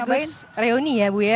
tapi reuni ya bu ya